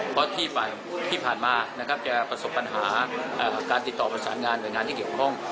เพราะที่ผ่านมานะครับจะประสบปัญหาการติดต่อประสานงานหน่วยงานที่เกี่ยวข้อง